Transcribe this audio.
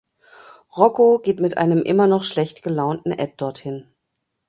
Rocko geht mit einem immer noch schlecht gelaunten Ed dorthin.